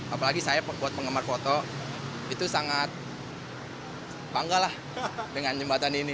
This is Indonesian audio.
apalagi saya buat penggemar foto itu sangat bangga lah dengan jembatan ini